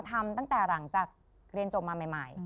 ทำตั้งแต่หลังจากเรียนจบมาใหม่